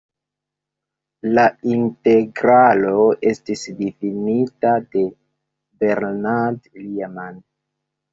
La integralo estis difinita de Bernhard Riemann.